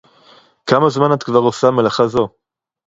כמה זמן את כבר עושה מלאכה זו?